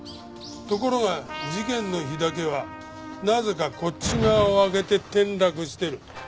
ところが事件の日だけはなぜかこっち側を開けて転落してる。